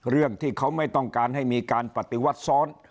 เรื่องที่เขาไม่ต้องการให้มีการปฏิวัติซ้อน